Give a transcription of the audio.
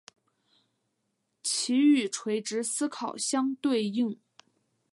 其与垂直思考相对应。